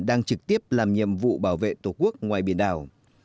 đang trực tiếp làm nhiệm vụ bảo vệ tổ quốc ngoài biển đảo